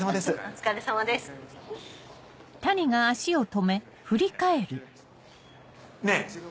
お疲れさまです。ねぇ。